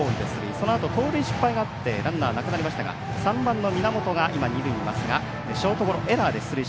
そのあと盗塁失敗があってランナーなくなりましたが３番の源が今、二塁にいますがショートゴロ、エラーで出塁。